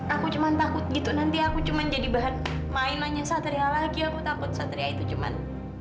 aku cuman takut gitu nanti aku cuman jadi bahan mainanya satria lagi aku takut satria itu cuman